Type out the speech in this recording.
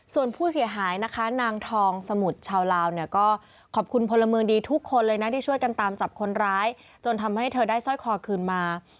ส่วนผู้เสียหายนะคะนางทองสมุทรชาวลาวเนี่ยก็ขอบคุณพลเมืองดีทุกคนเลยนะที่ช่วยกันตามจับคนร้ายจนทำให้เธอได้สร้อยคอคืนมา